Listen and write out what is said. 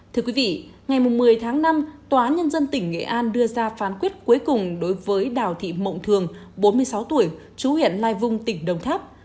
thưa quý vị ngày một mươi tháng năm tòa án nhân dân tỉnh nghệ an đưa ra phán quyết cuối cùng đối với đào thị mộng thường bốn mươi sáu tuổi chú huyện lai vung tỉnh đồng tháp